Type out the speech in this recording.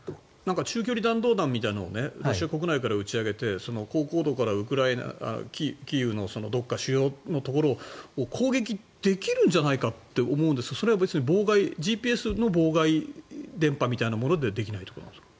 中距離弾道弾みたいなのをロシア側から打ち上げて高高度からキーウのどこか主要のところを攻撃できるんじゃないかって思うんですがそれはＧＰＳの妨害電波みたいなものでできないってことですか？